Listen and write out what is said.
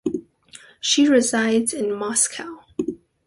She resides in Moscow.